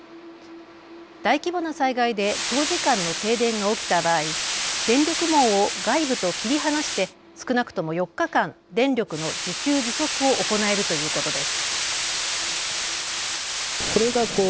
大規模な災害で長時間の停電が起きた場合、電力網を外部と切り離して少なくとも４日間電力の自給自足を行えるということです。